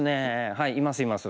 はいいますいます。